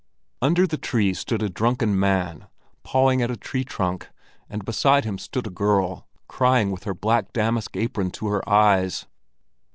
Under the trees stood a drunken man, pawing at a tree trunk, and beside him stood a girl, crying with her black damask apron to her eyes.